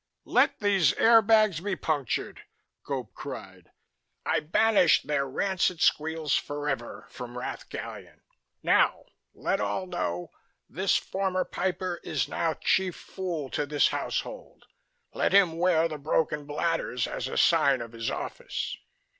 "Let these air bags be punctured," Gope cried. "I banish their rancid squeals forever from Rath Gallion. Now, let all know: this former piper is now Chief Fool to this household. Let him wear the broken bladders as a sign of his office."